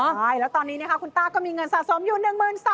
ใช่แล้วตอนนี้นะคะคุณต้าก็มีเงินสะสมอยู่๑๓๐๐